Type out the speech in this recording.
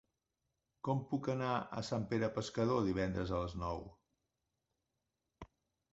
Com puc anar a Sant Pere Pescador divendres a les nou?